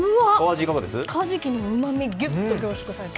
カジキのうまみがギュッと凝縮されて。